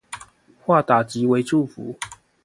化打擊為祝福